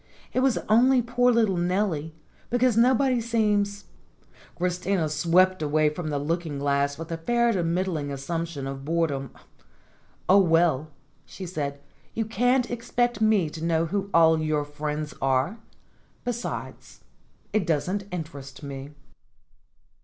It was only poor little Nellie, because nobody seems Christina swept away from the looking glass with a fair to middling assumption of boredom. "Oh, well," she said, "you can't expect me to know who all your friends are; besides, it doesn't interest me."